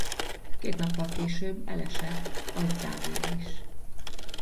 Két nappal később elesett az-Závija is.